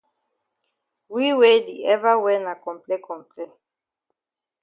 We we di ever wear na comple comple.